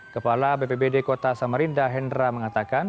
kepala bpbd kota samarinda hendra mengatakan